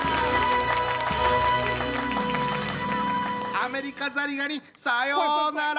アメリカザリガニさようなら！